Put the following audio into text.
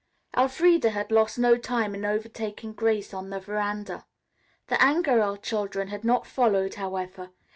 Elfreda had lost no time in overtaking Grace on the veranda. The Angerell children had not followed, however.